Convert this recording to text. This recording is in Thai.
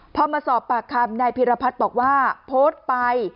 พอมาสอบปากคำนายพิรพัฒน์บอกว่าโพสต์ไป